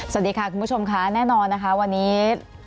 สวัสดีค่ะคุณผู้ชมค่ะแน่นอนนะคะวันนี้